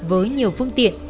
với nhiều phương tiện